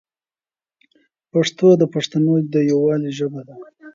پښتو د پښتنو د یووالي ژبه ده.